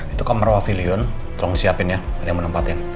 itu kamar wafilion tolong siapin ya ada yang mau nempatin